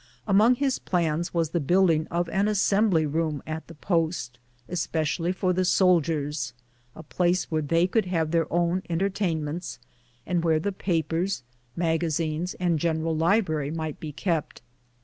Among his plans was the building of an assembly room at the post, especially for the soldiers : a place where they could have their own entertainments, and where the papers, magazines, and general library might be kept.